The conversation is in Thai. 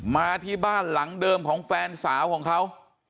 มาที่บ้านหลังเดิมของแฟนสาวของเขา